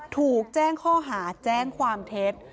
ถูกแจ้งข้อหาแจ้งความเท็จ